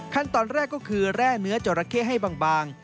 ขั้นตอนแรกก็คือแร่เนื้อจราเข้ให้บาง